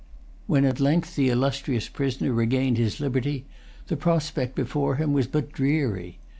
When at length the illustrious prisoner regained his liberty, the prospect before him was but dreary.